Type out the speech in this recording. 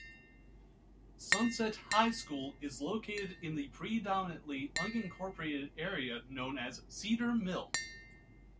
Sunset High School is located in the predominantly unincorporated area known as Cedar Mill.